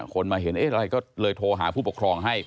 คนมาเห็นอะไรเลยโทรหาผู้ปกครอง